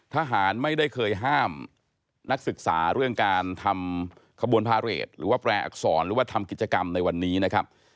ทหารไม่ได้เคยห้ามนักศึกษาเรื่องการทำขบวนพาเรทหรือว่าแปรอักษรหรือว่าทำกิจกรรมในวันนี้นะครับ